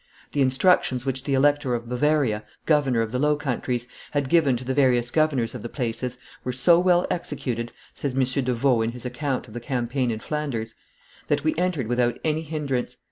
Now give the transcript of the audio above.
"The instructions which the Elector of Bavaria, governor of the Low Countries, had given to the various governors of the places, were so well executed," says M. de Vault in his account of the campaign in Flanders, "that we entered without any hinderance.